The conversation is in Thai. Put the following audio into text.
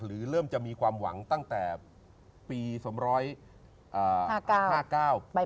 หรือเริ่มจะมีความหวังตั้งแต่ปี๒๕๙